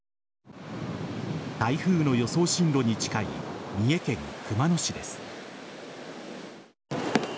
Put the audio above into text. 台風の予想進路に近い三重県熊野市です。